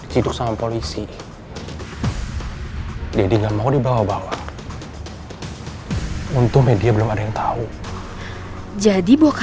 hidup sama polisi jadi nggak mau dibawa bawa untuk media belum ada yang tahu jadi bukan